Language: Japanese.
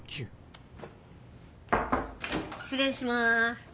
失礼します。